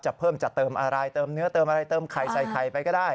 เพิ่มจะเติมอะไรเติมเนื้อเติมอะไรเติมไข่ใส่ไข่ไปก็ได้